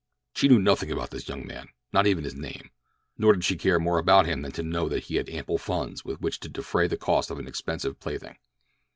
She knew nothing about this young man—not even his name—nor did she care more about him than to know that he had ample funds with which to defray the cost of an expensive plaything.